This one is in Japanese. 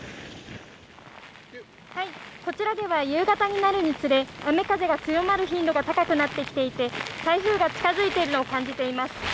こちらでは夕方になるにつれ雨・風が強まる頻度が高くなってきていて台風が近づいているのを感じています。